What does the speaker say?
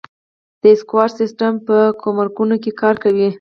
د اسیکوډا سیستم په ګمرکونو کې کار کوي؟